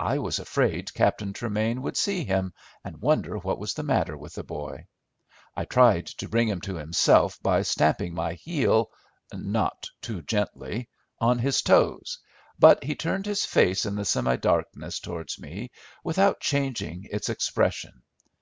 I was afraid Captain Tremain would see him, and wonder what was the matter with the boy. I tried to bring him to himself by stamping my heel—not too gently—on his toes, but he turned his face in the semi darkness toward me without changing its expression.